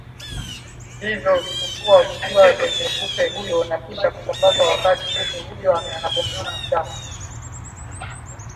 hivyo hukua vikiwa kwenye kupe huyo na kisha kusambazwa wakati kupe huyo anapomnyonnya damu